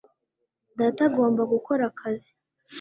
data agomba gukora akazi